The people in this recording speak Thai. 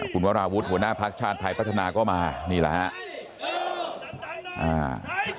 คุณวราวุฒิหัวหน้าภักดิ์ชาติไทยพัฒนาก็มานี่แหละครับ